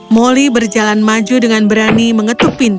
moli berjalan maju dengan berani mengetuk pintu